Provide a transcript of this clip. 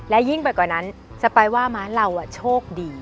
และยิ่งไปกว่านั้นสปายว่าม้าเราโชคดี